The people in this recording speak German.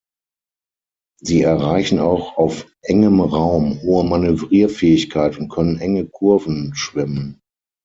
Sie erreichen auch auf engem Raum hohe Manövrierfähigkeit und können enge Kurven schwimmen.